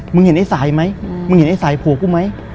เห็นไอ้สายไหมมึงเห็นไอ้สายผัวกูไหม